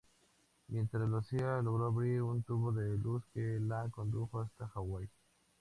Mientras lo hacía logró abrir un tubo de luz que la condujo hasta Hawaii.